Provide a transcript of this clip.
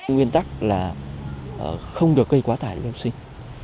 nguyên tắc là không được gây quá tải cho học sinh